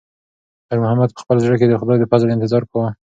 خیر محمد په خپل زړه کې د خدای د فضل انتظار کاوه.